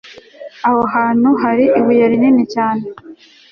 aho hantu hari ibuye rinini cyane